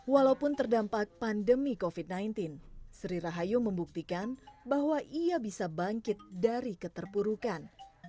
walaupun terdampak pandemi covid sembilan belas sri rahayu membuktikan bahwa ia bisa bangkit dari keterpurukan